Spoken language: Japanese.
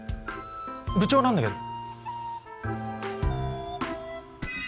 部長なんだけど。